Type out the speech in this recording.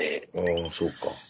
あそうか。